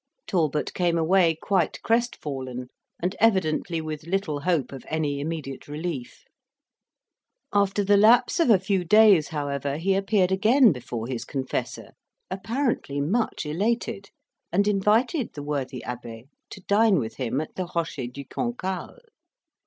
Talbot came away quite crest fallen, and evidently with little hope of any immediate relief. After the lapse of a few days, however, he appeared again before his confessor, apparently much elated, and invited the worthy abbe to dine with him at the Rocher du Cancale.